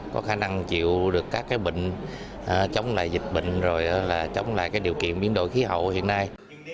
có khả năng chịu được các bệnh chống lại dịch bệnh chống lại điều kiện biến đổi khí hậu hiện nay